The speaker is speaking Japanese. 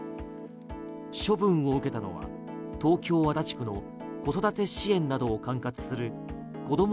処分を受けたのは東京・足立区の子育て支援などを管轄する子ども